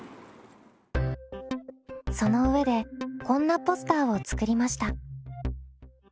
その上でこんなポスターを作りました。